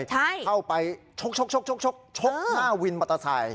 ใช่เข้าไปชกหน้าวินมอร์ไซค์